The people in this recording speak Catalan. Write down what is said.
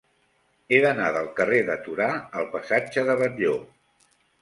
He d'anar del carrer de Torà al passatge de Batlló.